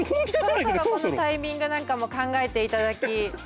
ねえそろそろこのタイミングなんかも考えていただき。